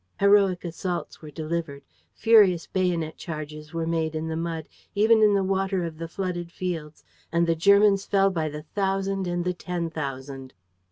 Heroic assaults were delivered. Furious bayonet charges were made in the mud, even in the water of the flooded fields; and the Germans fell by the thousand and the ten thousand.